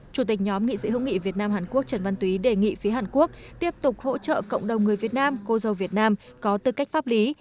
chủ tịch nhóm nghị sĩ hữu nghị việt nam hàn quốc trần văn túy đề nghị phía hàn quốc tiếp tục hỗ trợ cộng đồng người việt nam cô dâu việt nam có tư cách pháp lý